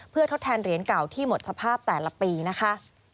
เพื่อทดแทนเหรียญเก่าที่หมดสภาพแต่ละปีนะคะ